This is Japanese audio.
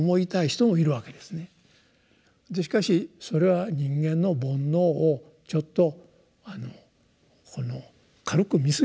しかしそれは人間の「煩悩」をちょっと軽く見すぎている。